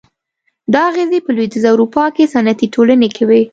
دا اغېزې په لوېدیځه اروپا کې صنعتي ټولنې کې وې.